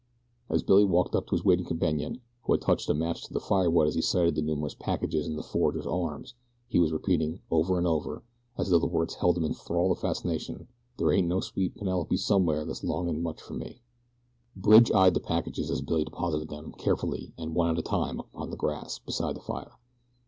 As Billy walked up to his waiting companion, who had touched a match to the firewood as he sighted the numerous packages in the forager's arms, he was repeating, over and over, as though the words held him in the thrall of fascination: "There ain't no sweet Penelope somewhere that's longing much for me." Bridge eyed the packages as Billy deposited them carefully and one at a time upon the grass beside the fire.